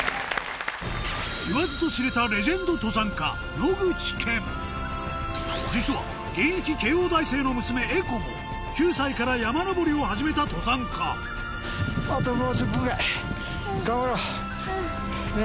言わずと知れた実は現役慶應大生の娘絵子も９歳から山登りを始めた登山家うんうん。